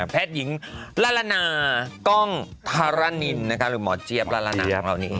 แพทย์หญิงละละนากล้องธารณินหรือหมอเจี๊ยบละละนาของเรานี่เอง